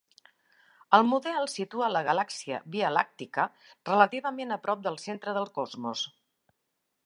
El model situa la galàxia Via Làctica relativament a prop del centre del cosmos.